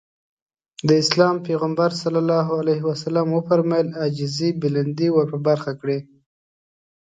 د اسلام پيغمبر ص وفرمايل عاجزي بلندي ورپه برخه کړي.